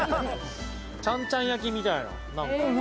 ちゃんちゃん焼きみたいな。